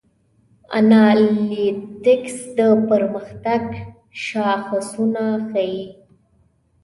انالیتکس د پرمختګ شاخصونه ښيي.